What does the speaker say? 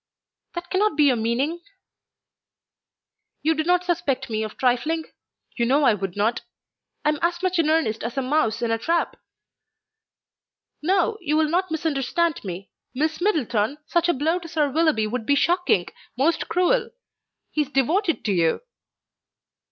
"That cannot be your meaning." "You do not suspect me of trifling? You know I would not. I am as much in earnest as a mouse in a trap." "No, you will not misunderstand me! Miss Middleton, such a blow to Sir Willoughby would be shocking, most cruel! He is devoted to you."